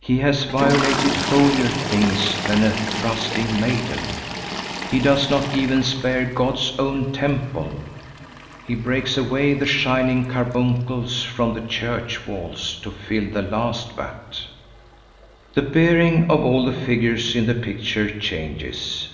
He has violated holier things than a trusting maiden. He does not even spare God's own temple. He breaks away the shining carbuncles from the church walls to fill the last vat. The bearing of all the figures in the picture changes.